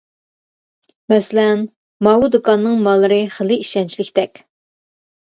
مەسىلەن: ماۋۇ دۇكاننىڭ ماللىرى خېلى ئىشەنچلىكتەك.